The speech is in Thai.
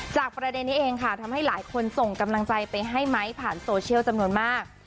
ประเด็นนี้เองค่ะทำให้หลายคนส่งกำลังใจไปให้ไม้ผ่านโซเชียลจำนวนมาก